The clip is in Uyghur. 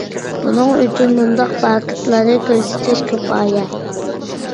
بۇنىڭ ئۈچۈن مۇنداق پاكىتلارنى كۆرسىتىش كۇپايە.